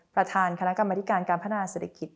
ประธานคณะกรรมนาธิการการพนาศาสตริกิต